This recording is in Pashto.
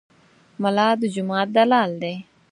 ملا د جومات دلال دی.